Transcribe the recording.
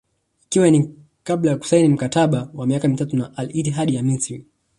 Ikiwa ni kabla ya kusaini mkataba wa miaka mitatu na Al Ittihad ya Misri